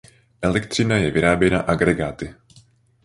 Elektřina je vyráběna agregáty.